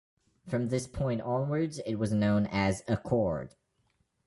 From this point onwards it was known as Accord.